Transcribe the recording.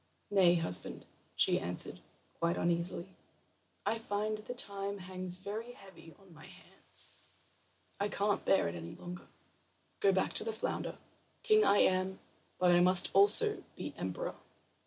"Nay, husband," she answered, quite uneasily, "I find the time hangs very heavy on my hands. I can't bear it any longer. Go back to the flounder. King I am, but I must also be emperor."